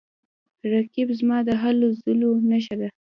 رقیب زما د هلو ځلو نښه ده